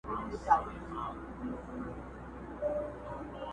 که پاچا دی که امیر ګورته رسیږي!